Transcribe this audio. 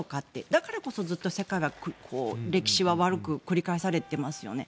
だからこそずっと世界の歴史は悪く繰り返されていますよね。